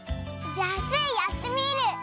じゃあスイやってみる！